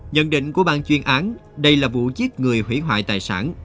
nhận định của bàn chuyên án đây là vụ giết người hủy hợi tài sản